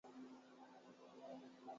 اس کے تمام اخراجات خود مزدور کے ذمہ تھے